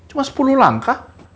cuma sepuluh langkah